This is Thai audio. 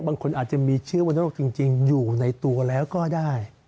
บางคนอาจจะมีเชื้อวรรณโรคจริงอยู่ในตัวแล้วก็ได้